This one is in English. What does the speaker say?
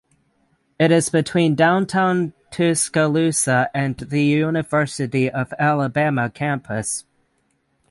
It is between downtown Tuscaloosa and the University of Alabama campus.